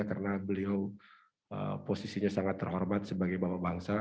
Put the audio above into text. karena beliau posisinya sangat terhormat sebagai bapak bangsa